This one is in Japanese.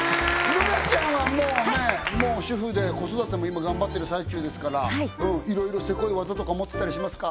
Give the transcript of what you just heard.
ノラちゃんはもうねもう主婦で子育ても今頑張ってる最中ですから色々セコい技とか持ってたりしますか？